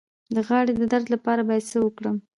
د غاړې د درد لپاره باید څه وکړم؟